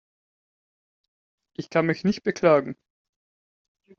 Ich kann mich nicht beklagen.